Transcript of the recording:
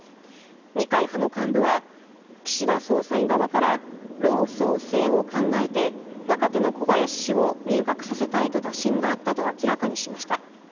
二階派の幹部は、岸田総裁側から老壮青を考えて若手の小林氏を入閣させたいと打診があったと明らかにしました。